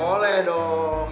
ya boleh dong